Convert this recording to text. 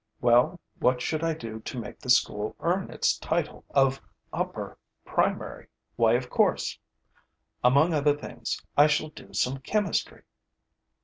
Well, what should I do to make the school earn its title of 'upper primary'? Why, of course! Among other things, I shall do some chemistry!